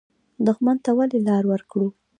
دښمن ته ولې لار ورکړو؟